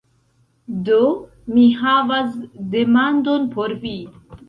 Do, mi havas demandon por vi.